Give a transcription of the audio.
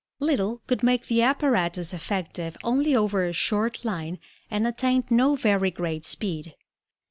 Little could make the apparatus effective only over a short line and attained no very great speed.